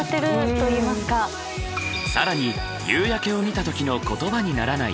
更に夕焼けを見た時の言葉にならない